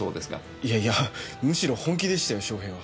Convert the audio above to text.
いやいやむしろ本気でしたよ翔平は。